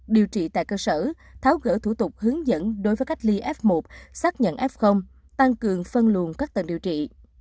điều trị tại cơ sở tháo gỡ thủ tục hướng dẫn đối với cách ly f một xác nhận f tăng cường phân luồng các tầng điều trị